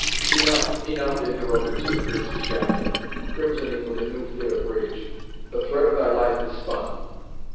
"Enough enough," interrupted Sir Piercie Shafton, crimsoning with a new fit of rage, "the thread of thy life is spun!"